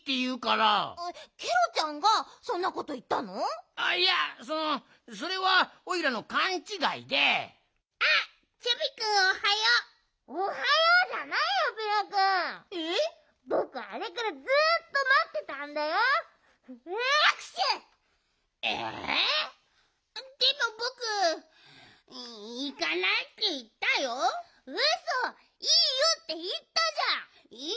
うそ「いいよ」っていったじゃん！